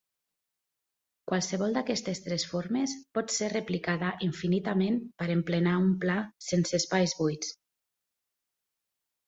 Qualsevol d'aquestes tres formes pot ser replicada infinitament per emplenar un pla sense espais buits.